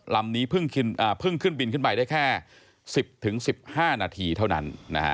ลำนี้เพิ่งขึ้นบินขึ้นไปได้แค่๑๐๑๕นาทีเท่านั้น